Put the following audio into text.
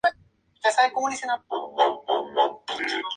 Esto a veces llamado un "display".